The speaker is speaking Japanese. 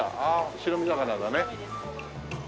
白身魚だね。